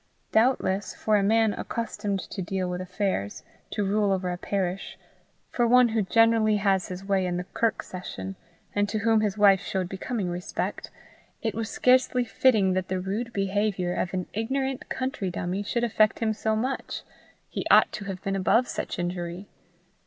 Doubtless, for a man accustomed to deal with affairs, to rule over a parish for one who generally had his way in the kirk session, and to whom his wife showed becoming respect, it was scarcely fitting that the rude behaviour of an ignorant country dummy should affect him so much: he ought to have been above such injury.